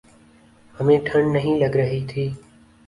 ہمیں ٹھنڈ نہیں لگ رہی تھی۔